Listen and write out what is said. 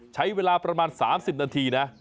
ใช้เวลาประมาณ๓๐นาทีนะ